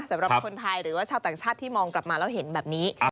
สำหรับคนไทยหรือว่าชาวต่างชาติที่มองกลับมาแล้วเห็นแบบนี้